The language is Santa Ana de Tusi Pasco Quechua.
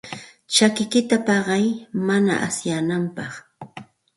Chakikiyta paqay mana asyananpaq.